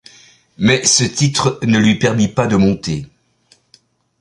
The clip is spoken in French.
Mais ce titre ne lui permit pas de monter.